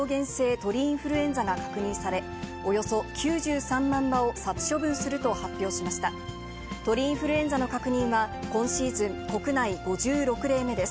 鳥インフルエンザの確認は、今シーズン、国内５６例目です。